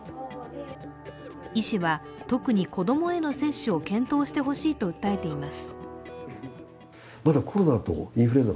医師は、特に子供への接種を検討してほしいと訴えています。